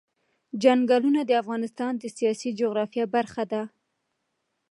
چنګلونه د افغانستان د سیاسي جغرافیه برخه ده.